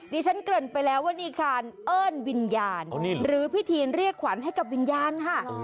ฉันเกริ่นไปแล้วว่านี่คารเอิ้นวิญญาณหรือพิธีเรียกขวัญให้กับวิญญาณค่ะ